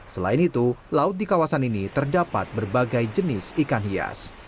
selain itu laut di kawasan ini terdapat berbagai jenis ikan hias